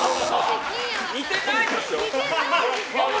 似てないでしょ！